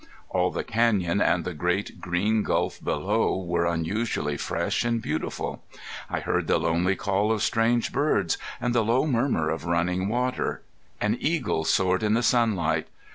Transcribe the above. All the canyon and the great green gulf below were unusually fresh and beautiful. I heard the lonely call of strange birds and the low murmur of running water. An eagle soared in the sunlight.